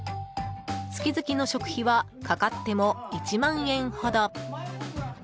月々の食費はかかっても１万円ほど。